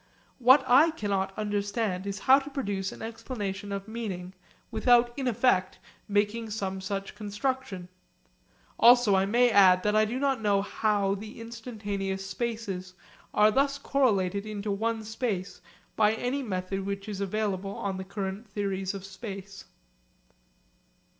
What I cannot understand is how to produce an explanation of meaning without in effect making some such construction. Also I may add that I do not know how the instantaneous spaces are thus correlated into one space by any method which is available on the current theories of space.